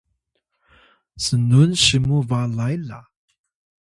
snun simuw balay la